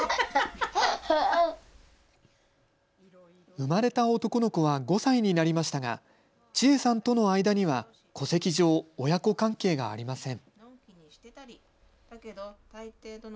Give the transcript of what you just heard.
生まれた男の子は５歳になりましたが、チエさんとの間には戸籍上、親子関係がありません。